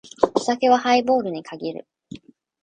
お酒はハイボールに限る。